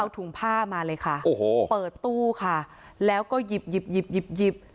ถุงผ้ามาเลยค่ะโอ้โหเปิดตู้ค่ะแล้วก็หยิบหยิบหยิบ